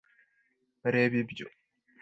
reba ibyo